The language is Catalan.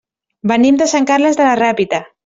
Venim de Sant Carles de la Ràpita.